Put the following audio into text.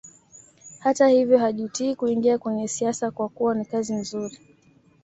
Hata hivyo hajutii kuingia kwenye siasa kwa kuwa ni kazi nzuri